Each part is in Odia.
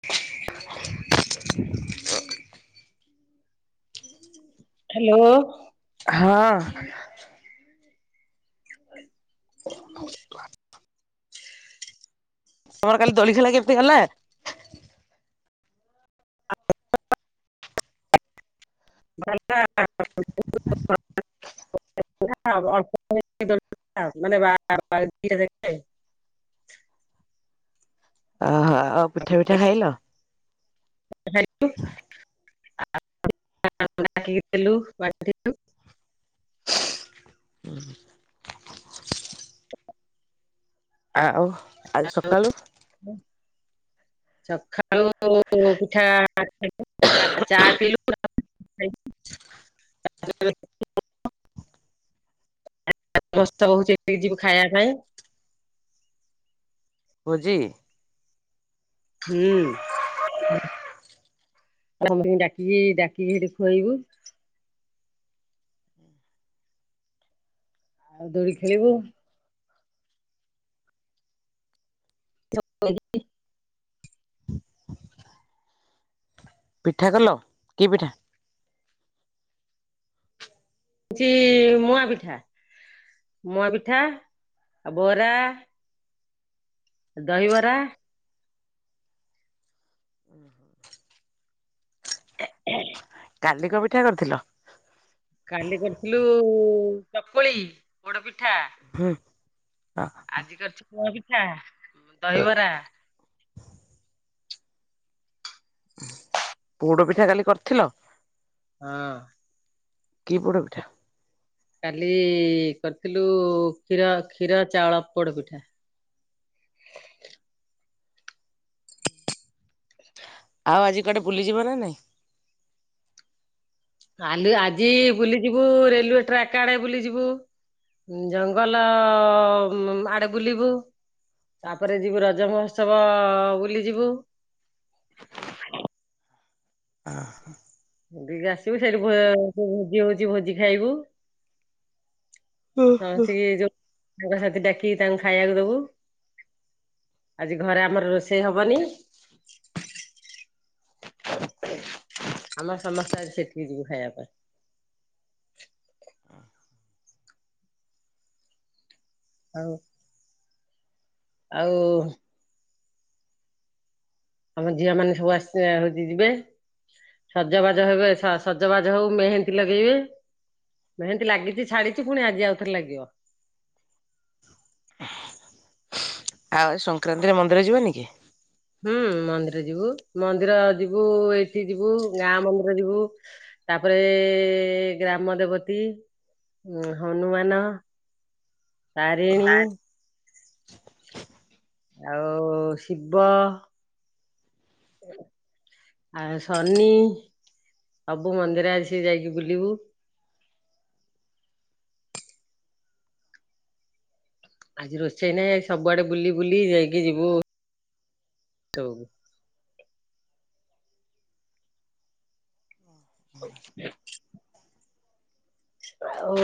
[unintelligible] ହ୍ୟାଲୋ। ହଁ। କଚ୍ [unintelligible] ତମର କାଲି ଦୋଳି ଖେଲା କେମିତି ହେଲା? [inaudible] [inaudible] ଓହୋ ଆଉ ପିଠା ଫିଠା ଖାଇଲ? ଡାଲୁ [unintelligible] ଓ [inaudible] ଆଉ ଆଜି ସକାଳୁ ସଖାଳୁ ପିଠା ଚା ପିଲୁ [unintelligible] [inaudible] [unintelligible] ଯିବ ଖାଇବା ପାଇଁ। ଭୋଜି ହୁଁ। [unintelligible] ଡାକିକି ଡାକିକି ଏଠି ଖୁଆଇବୁ। ଆଉ ଦୋଳି ଖେଳିବୁ। [unintelligible] ପିଠା କଲ କି ପିଠା। ଇଚି ମୂଆଁ ପିଠା ମୁଆଁ ପିଠା ଆଉ ବରା। ଦହିବରା [inaudible] [inaudible] କାଲିି କୋଉ ପିଠା କରିଥିଲ। କାଲି କରିଥିଲୁ ଚକୁଳି ପୋଡ ପିଠା ହୁଁ। ଆଜି କରିଛି ପୁଅ ପିଠା ଦହିବରା। [inaudible] ପୋଡ ପିଠା କାଲି କରିଥିଲ? ହଁ। କି ପୋଡ଼ ପିଠା? କାଲି କରିଥିଲୁ କ୍ଷୀର କ୍ଷୀର ଚାଉଳ ପୋଡ ପିଠା। ଆଉ ଆଜି କୁଆଡେ ବୁଲିଯିବ ନା ନାଇଁ? ଆଲି ଆଜି ବୁଲିଯିବୁ ରେଲୱେ ଟ୍ରାକ୍ ଆଡେ ବୁଲିଯିବୁ। ଉଁ ଜଙ୍ଗଲ ମ ଆଡେ ବୁଲିବୁ। ତାପରେ ଯିବୁ ରଜ ମହୋତ୍ସବ ବୁଲି ଯିବୁ। ଆଁ। ଲିକି ଆସିବୁ ସେଠି ଭୋ ଭୋ ଭୋଜି ହୋଉଚି ଭୋଜି ଖାଇବୁ। ସମସ୍ତିଙ୍କି ଯୋଉ ସାଙ୍କସାଥି ଡାକିକି ତାଙ୍କୁ ଖାଇବାକୁ ଦବୁ। ଆଜି ଘରେ ଆମର ରୋଷେଇ ହବନି? ଆମର ସମସ୍ତେ ଆଜି ସେଠିକି ଯିବୁ ଖାଇବା ପାଇଁ। [inaudible] ଆଉ ଆଉ ଆମ ଝିଅ ମାନେ ସବୁ ଆସିନେ ହୋଉଚି ଯିବେ। ସଜବାଜ ହେବେ ସ ସଜବାଜ ହୋଉ ମେହେନ୍ଦୀ ଲଗେଇବେ। ମେହେନ୍ଦି ଲାଗଚି ଛାଡିଚି ପୁଣି ଆଜି ଆଉଥରେ ଲାଗିବ। ଆଉ ସଂକ୍ରାନ୍ତିରେ ମନ୍ଦିର ଯିବେନି କି? ହୁଁ ମନ୍ଦିର ଯିବୁ ମନ୍ଦିର ଯିବୁ ଏଇଠି ଯିବୁ ଗାଁ ମନ୍ଦିର ଯିବୁ। ତାପରେ ଗ୍ରାମ ଦେବତୀ ଉଁ ହନୁମାନ ତାରିଣୀ ଆଉ ଶିବ ଆ ଶନି ସବୁ ମନ୍ଦିର ଆସିକି ଯାଇକି ବୁଲିବୁ। ଆଜି ରୋଷେଇ ନାହିଁ ଆଜି ସବୁଆଡେ ବୁଲି ବୁଲି ଯାଇଁକି ଯିବୁ [unintelligible] [unintelligible] ଆଉ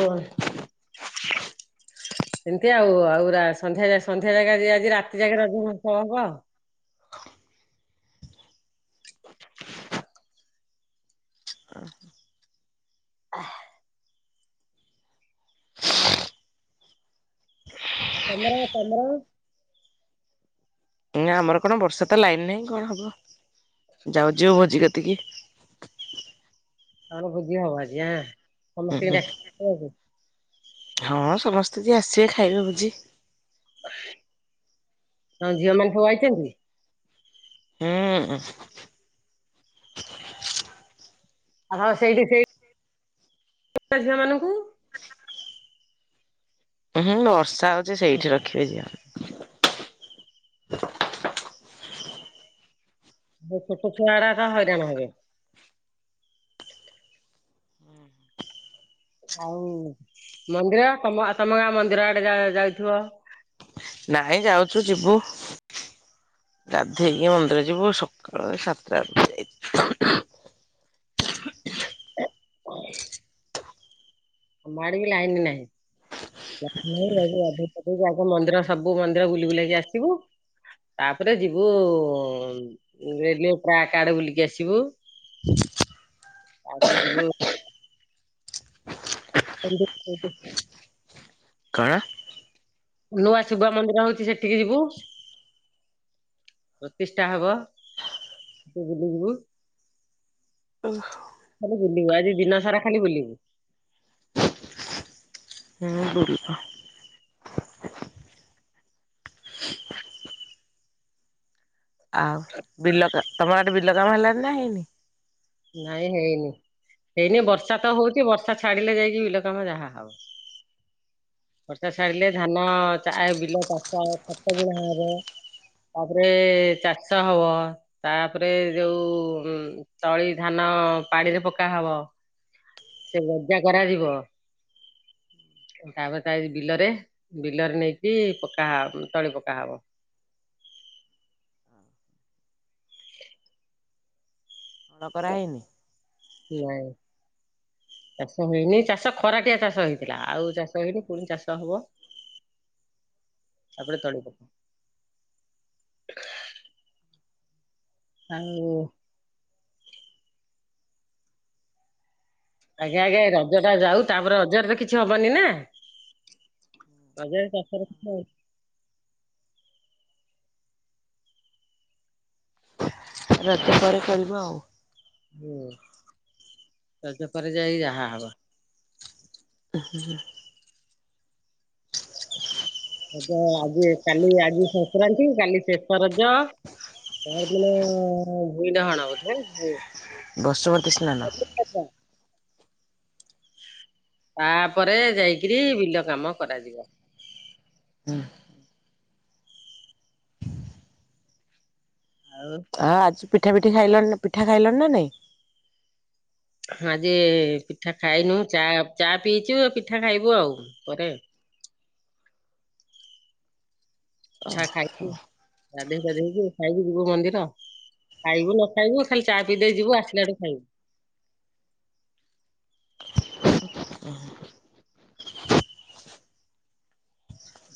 ସେମତି ଆଉ, ଆଉ ସନ୍ଧ୍ୟା ସନ୍ଧ୍ୟା ଜାଗା ଆଜି ରାତି ଯାଗେ ରଜ ମହୋତ୍ସବ ହବ। [unintelligible] ଅଁ ହ। ଆହା। [unintelligible] ଆଉ ତମର, ତମର? ନା, ଆମର କଣ? ବର୍ଷା ତ ଲାଇନ ନାହିଁ, କଣ ହବ? ଯାଉଚି ଯିବୁ ଭୋଜି କତିକି। ତମ ଭୋଜି ହବ ଆଜି ଆଁ, ସମସ୍ତଙ୍କି ଡାକିଥିଲ କି? ହଁ ସମସ୍ତେ ଯିଏ ଆସିବେ, ଖାଇବେ ଭୋଜି। ତମ ଝିଅ ମାନେ ସବୁ ଆଇଚନ୍ତି? ହୁଁ ଆ ହଁ ସେଇଠି ସେଇ ଝିଅ ମାନଙ୍କୁ ହୁଁ, ବର୍ଷା ହଉଛି ସେଇଠି ରଖିବେ ଝିଅ ମାନଙ୍କୁ। ସେଇ ଛୋଟଛୁଆ ଗୁରାକ ହଇରାଣ ହେବେ। ଆଉ, ମନ୍ଦିର, ତମ, ତମ ଗାଁ ମନ୍ଦିର ଆଡେ ଯାଉଥିବ? ନାଇଁ, ଯାଉଚୁ ଯିବୁ। ଗାଧୋଇକି ମନ୍ଦିର ଯିବୁ, ସକାଳ ସାତଟା ବ ଯାଇ [unintelligible] ଆମ ଆଡେ ବି ଲାଇନ ନାହିଁ। ଯାଉନୁ ଆଗେ ଗାଧେଇ ପାଧେଇକି ଆଗ ମନ୍ଦିର ସବୁ ମନ୍ଦିର ବୁଲି ବୁଲାକି ଆସିବୁ ତାପରେ ଯିବୁ, ରେଲୱେ ଟ୍ରାକ୍ ଆଡେ ବୁଲିକି ଆସିବୁ। [unintelligible] ତାପରେ ଯିବୁ [unintelligible] କଣ ନୂଆ ଶିବ ମନ୍ଦିର ହଉଚି, ସେଠିକି ଯିବୁ। ପ୍ରତିଷ୍ଠା ହବ। ବୁଲି ଯିବୁ। ଓହ୍। ଖାଲି ବୁଲିବୁ, ଆଜି ଦିନ ସାରା ଖାଲି ବୁଲିବୁ। ହୁଁ, ବୁଲ। ଆଉ ବିଲ କା, ତମ ଆଡେ ବିଲ କାମ ହେଲାଣିି ନା ହେଇନି? ନାଇଁ ହେଇନି। ହେଇନି, ବର୍ଷା ତ ହଉଚି, ବର୍ଷା ଛାଡିଲେ ଯାଇକି ବିଲ କାମ ଯାହା ହବ। ବର୍ଷା ଛାଡ଼ିଲେ, ଧାନ ଚା, ଏ ବିଲ ଚାଷ ଖତ ବୁଣା ହବ। ତାପରେ ଚାଷ ହବ, ତାପରେ ଯୋଉ ଉଁ ତଳି ଧାନ, ପାଣିରେ ପକାହବ। ସେ ଗଜା କରାଯିବ। ତାପରେ ତା ଏ, ବିଲରେ, ବିଲରେ ନେଇକି ପକା ହ ତଳି ପକା ହବ। [unintelligible] ହଳ କରାହେଇନି? ନାଇଁ। ଚାଷ ହେଇନି। ଚାଷ ଖରାଟିଆ ଚାଷ ହେଇଥିଲା, ଆଉ ଚାଷ ହେଇନି, ପୁଣି ଚାଷ ହବ। ତାପରେ ତଳି ପକା। ଆଉ। ଆଜ୍ଞା ଆଜ୍ଞା ଏଇ ରଜ ଟା ଯାଉ ତାପରେ ରଜରେ ତ କିଛି ହବନି ନା? ରଜରେ ସତରେ କିଛି ହବନି। ରଜ ପରେ କରିବ ଆଉ। ହୁଁ ରଜ ପରେ ଯାଇ ଯାହା ହବ। [unintelligible] ରଜ ଆଜି କାଲି ଆଜି ସଂକ୍ରାନ୍ତି କାଲି ଶେଷ ରଜ। ପର୍ କଣ ଭୂଇଁଡହଣ ବୋଧେ? ବସୁମତୀ ସ୍ନାନ। ଆଚ୍ଛା। ତାପରେ ଯାଇକିରି ବିଲ କାମ କରାଯିବ। ହୁଁ। ଆଉ ଆ ଆଜି ପିଠା ପିଠି ଖାଇଲ ପିଠା ଖାଇଲଣି ନା ନାଇଁ? ହଁ ଆଜି ପିଠା ଖାଇନୁ ଚା ଚା ପିଇଛୁ ପିଠା ଖାଇବୁ ଆଉ ପରେ। ପିଠା ଖାଇବୁ ଗାଧୋଇ ପାଧେଇକି ଖାଇକି ଯିବୁ ମନ୍ଦିର। ଖାଇବୁ ନ ଖାଇବୁ ଖାଲି ଚା ପିଇ ଦେଇ ଯିବୁ ଆସିଲାଠୁ ଖାଇବୁ। ଓହୋ।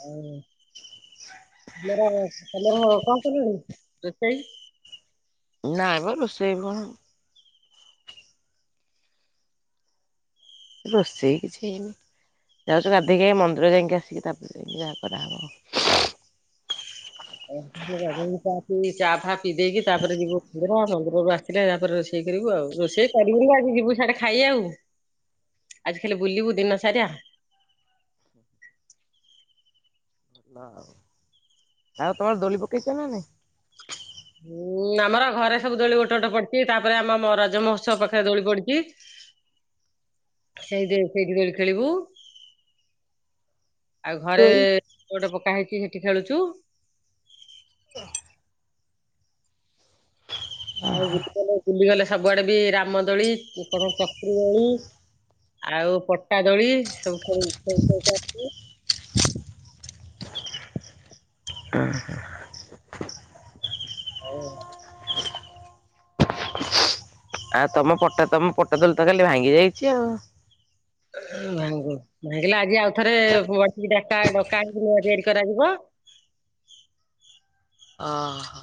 ଆଉ ତମର ତମର କଣ କଲଣି ରୋଷେଇ? ନାଇଁମ ରୋଷେଇ କଣ। ରୋଷେଇ କିଛି ହେଇନି ଯାଉଛୁ ଗାଧୋଇକି ମନ୍ଦିର ଯାଇକି ଆସିକି ତାପରେ ଯାଇକି ଯାହା କରାହବ। [unintelligible] ଚା ଫା ପିଇ ଦେଇକି ତାପରେ ଯିବୁ ମନ୍ଦିର ମନ୍ଦିରରୁ ଆସିଲେ ତାପରେ ରୋଷେଇ। ରୋଷେଇ କରିବୁ ଆଉ ରୋଷେଇ କରିବୁନୁ ଆଜି ଯିବୁ ସିଆଡେ। ଖାଇ ଆଉ ଆଜି ଖାଲି ବୁଲିବୁ ଦିନ ସାରା। ଆଉ ତମର ଦୋଳି ପକେଇଛ ନା ନାଇଁ? ହୁଁ ଆମର ଘରେ ସବୁ ଦୋଳି ଗୋଟେ ଗୋଟେ ପଡିଛି ତାପରେ ଆମ ରଜ ମହୋତ୍ସବ ପାଖରେ ଦୋଳି ପଡିଛି। ସେଇ ସେଇଠି ଦୋଳି ଖେଳିବୁ। ଆଉ ଘରେ ଦୋଳି ଗୋଟେ ପକା ହେଇଛି ସେଇଠି ଖେଳୁଛୁ। ଏ [inaudible] ହଉ ବୁଲିଗଲେ ବୁଲିଗଲେ ସବୁଆଡେ ବି ରାମ ଦୋଳି କଣ ଚକ୍ର ଦୋଳି। ଆଉ ପଟା ଦୋଳି ସବୁ ଖେଳି ଖେଳିକା ଆସିବୁ। [unintelligible] ହଁ। ଆଉ ତମ ପଟା ତମ ପଟା ଦୋଳି ତ ଖାଲି ଭାଙ୍ଗି ଯାଇଛି ଆଉ। ଭାଙ୍ଗୁ ଭାଗିଲେ ଆଜି ଆଉ ଥରେ ବସିକି ଡକା ହେଇକି ନୂଆ ତିଆରି କରାଯିବ। ଅ ହଁ।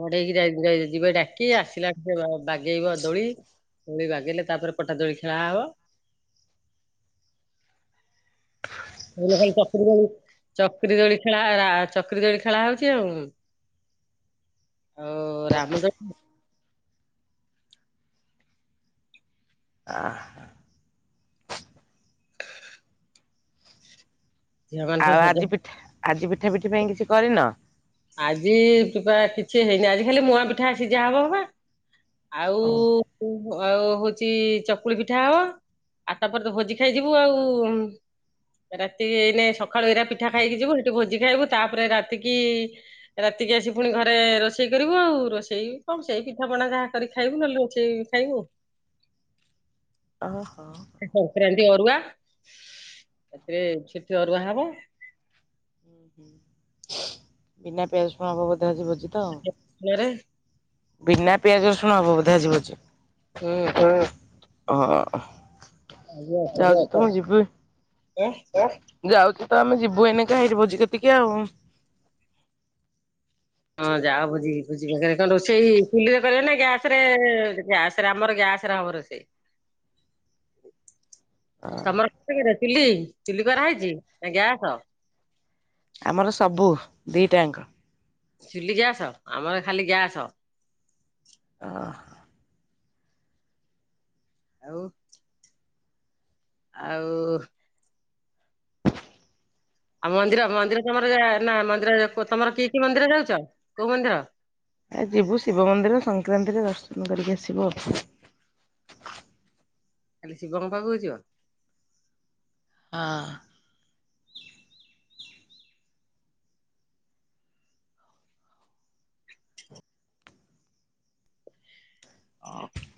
ବଢେଇକି ଯାଇ ଯାଇ ଯିବେ ଡାକି ଆସିଲା ସେ ବାଗେଇବ ଦୋଳି। ଦୋଳି ବାଗେଇଲେ ତାପରେ ପଟା ଦୋଳି ଖେଳା ହବ। ଖାଲି ଚକ୍ରୀ ଦୋଳି ଚକ୍ରୀ ଦୋଳି ଖେଳା ଚକ୍ରୀ ଦୋଳି ଖେଳା ହଉଛି ଆଉ। ହଉ ରାମ ଦୋ ଆଁ ଝିଅ ମାନେ ସବୁ ଆଉ ସଜ ଆଜି ପିଠା ଆଜି ପିଠା ପିଠି ପାଇଁ କିଛି କରିନ? ଆଜି କିବା କିଛି ହେଇନି ଆଜି ଖାଲି ମୁଆଁ ପିଠା ସିଝା ହବ ବା ଆଉ ଉଁ କୁ ଆଉ ହଉଛି ଚକୁଳି ପିଠା ହବ। ଆଉ ତାପରେ ତ ଭୋଜି ଖାଇଯିବୁ ଆଉ। ରାତିରେ ଏଇନେ ସକାଳୁ ଏଇରା ପିଠା ଖାଇକି ଯିବୁ। ସେଠି ଭୋଜି ଖାଇବୁ ତାପରେ ରାତିକି ରାତିକି ଆସି ପୁଣି ଘରେ ରୋଷେଇ କରିବୁ ଆଉ ରୋଷେଇ କଣ ସେଇ ପିଠା ପଣା ଯାହା କରିକି ଖାଇବୁ ନ ଲୁଚେଇ ଖାଇବୁ। ଅ ହ। ସଂକ୍ରାନ୍ତି ଅରୁଆ ସେଥିରେ ସେଥିରେ ସେଠି ଅରୁଆ ହବ। [unintelligible] ବିନା ପିଆଜ ରସୁଣ ହବ ବୋଧେ ଆଜି ଭୋଜିଟା ଆଉ। ଦିନରେ ବିନା ପିଆଜ ରସୁଣ ହବ ବୋଧେ ଆଜି ଭୋଜି। ହୁଁ। ହୁଁ ହଁ। ଯାଉଚି ତମେ ଯିବ ବି ଯାଉଚୁ ତ ଆମେ ଯିବୁ ଏନେକେ ହେଇଟି ଭୋଜି କତିକି ଆଉ। ହଁ ଯାଅ ଭୋଜି କି [unintelligible] କଣ ରୋଷେଇ ଚୁଲିରେ କରିବ ନା ଗ୍ୟାସରେ ଗ୍ୟାସରେ ଆମର ଗ୍ୟାସ ହେରା ହବ ରୋଷେଇ। ତମର [unintelligible] ଚୁଲି ଚୁଲି କରାହେଇଚି ନା ଗ୍ୟାସ? ଆମର ସବୁ ଦିଇଟାଙ୍କ। ଚୁଲି ଗ୍ୟାସ ଆମର ଖାଲି ଗ୍ୟାସ। ଓହୋ। ଆଉ ଆଉ ଆଉ ମନ୍ଦିର ମନ୍ଦିର ତମର ଯା ନା ମନ୍ଦିର ପ ତମର କି କି ମନ୍ଦିର ଯାଉଚ କୋଉ ମନ୍ଦିର? ଆ ଯିବୁ ଶିବ ମନ୍ଦିର ସଂକ୍ରାନ୍ତିରେ ଦର୍ଶନ କରିକି ଆସିବୁ ଆଉ। ଖାଲି ଶିବଙ୍କ ପାଖକୁ ଯିବ। ହଁ। [unintelligible]